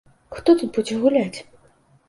Хто тут будзе гуляць?